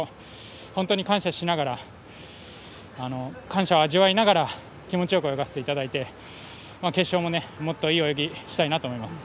本当に感謝しながら感謝を味わいながら気持ちよく泳がせていただいて決勝ももっといい泳ぎをしたいと思います。